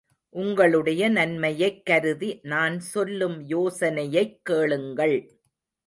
உங்களுடைய நன்மையைக் கருதி நான் சொல்லும் யோசனையைக் கேளுங்கள்.